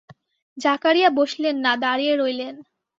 জাকারিয়া বসলেন না দাঁড়িয়ে রইলেন।